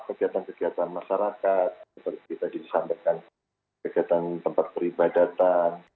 kegiatan kegiatan masyarakat seperti tadi disampaikan kegiatan tempat peribadatan